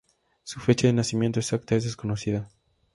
Su fecha de nacimiento exacta es desconocida.